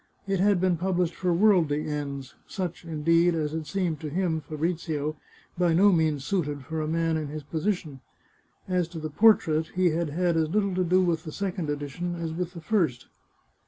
It had been published for worldly ends — such, in deed, as had seemed to him (Fabrizio), by no means suited for a man in his position. As to the portrait, he had had as little to do with the second edition as with the first.